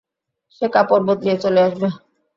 সে কাপড় বদলিয়ে চলে আসবে।